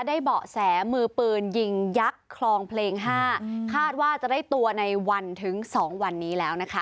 เบาะแสมือปืนยิงยักษ์คลองเพลงห้าคาดว่าจะได้ตัวในวันถึงสองวันนี้แล้วนะคะ